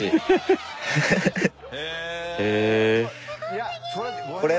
いやそれ